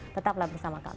tetaplah bersama kami